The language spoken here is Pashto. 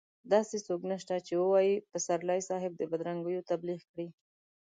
داسې څوک نشته چې ووايي پسرلي صاحب د بدرنګيو تبليغ کړی.